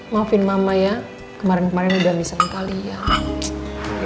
maafin mama ya kemarin kemarin udah misem kalian